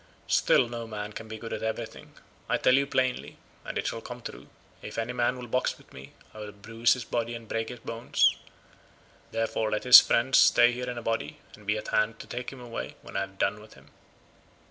Still, no man can be good at everything. I tell you plainly, and it shall come true; if any man will box with me I will bruise his body and break his bones; therefore let his friends stay here in a body and be at hand to take him away when I have done with him."